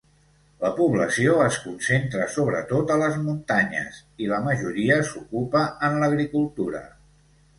La població es concentra sobretot a les muntanyes, i la majoria s'ocupa en l'agricultura.